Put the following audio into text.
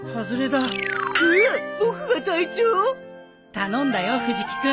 頼んだよ藤木君。